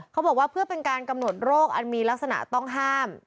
เขาบอกว่าเพื่อเป็นการกำหนดโรคอันมีลักษณะต้องห้าม